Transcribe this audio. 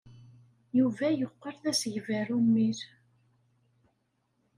Yuba yeqqel d asegbar ummil.